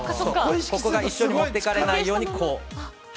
ここが一緒に持っていかれないようにこう。